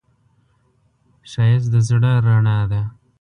ښایست د زړه رڼا ده